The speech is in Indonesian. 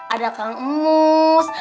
ada kang emus